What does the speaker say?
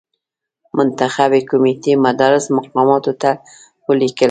منتخبي کمېټې مدراس مقاماتو ته ولیکل.